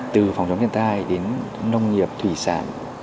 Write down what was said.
từ phòng chống thiên tai đến nông nghiệp thủy sản